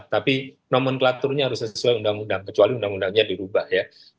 tapi nomenklaturnya harus sesuai undang undang kecuali undang undangnya dirubah ya